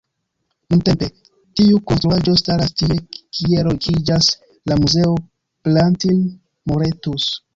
Nuntempe, tiu konstruaĵo staras tie kie lokiĝas la Muzeo Plantin-Moretus.